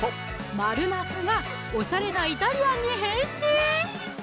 丸ナスがおしゃれなイタリアンに変身！